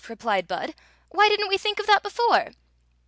replied Bud. "Why did n't we think of th^t before